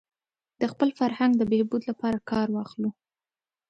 د خپل فرهنګ د بهبود لپاره کار واخلو.